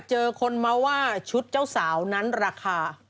เดี๋ยวคนมาว่าชุดเจ้าสาวนั้นราคา